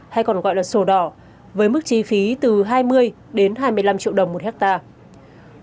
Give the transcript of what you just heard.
hay còn gọi là sổ đỏ với mức chi phí từ hai mươi đến hai mươi năm triệu đồng một hectare